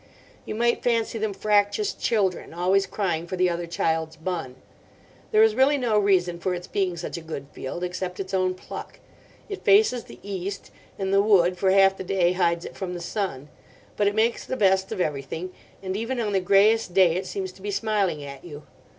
You might fancy them fractious children, always crying for the other child's bun. There is really no reason for its being such a good field, except its own pluck. It faces the east, and the wood for half the day hides it from the sun; but it makes the best of everything, and even on the greyest day it seems to be smiling at you.